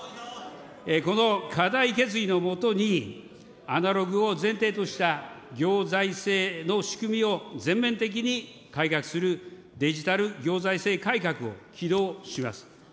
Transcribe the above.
この固い決意の下に、アナログを前提とした行財政の仕組みを全面的に改革するデジタル行財政改革を起動します。